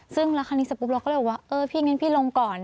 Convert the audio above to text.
ซึ่งราคานี้สักครู่เราก็เลยบอกว่าเออพี่อย่างนั้นพี่ลงก่อน